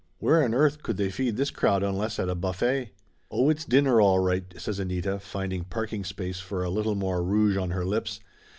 Where on earth could they feed this crowd unless at a buffet?" "Oh, it's dinner, all right !" says Anita, finding park ing space for a little more rouge on her lips.